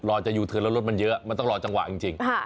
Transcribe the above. จะยูเทิร์นแล้วรถมันเยอะมันต้องรอจังหวะจริง